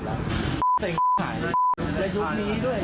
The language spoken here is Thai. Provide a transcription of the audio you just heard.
ไม่ต้องกลับ